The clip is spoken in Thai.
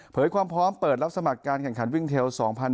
ความพร้อมเปิดรับสมัครการแข่งขันวิ่งเทล๒๐๑๖